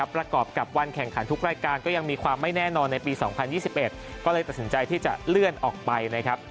ประกอบกับวันแข่งขันทุกรายการก็ยังมีความไม่แน่นอนในปี๒๐๒๑ก็เลยตัดสินใจที่จะเลื่อนออกไปนะครับ